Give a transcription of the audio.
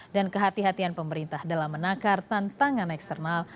dan kehatian pemerintah dalam menakar tantangan eksternal